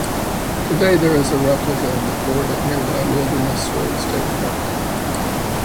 Today there is a replica of the fort at nearby Wilderness Road State Park.